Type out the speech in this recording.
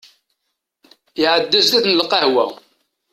Iɛedda zdat n lqahwa.